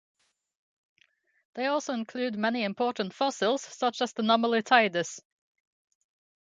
They also include many important fossils, such as the nummulitids.